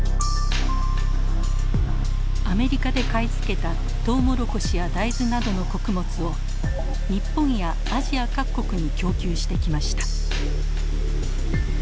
アメリカで買い付けたトウモロコシや大豆などの穀物を日本やアジア各国に供給してきました。